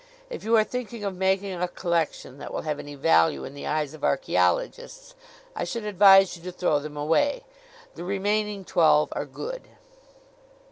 If you are thinking of making a collection that will have any value in the eyes of archeologists I should advise you to throw them away. The remaining twelve are good."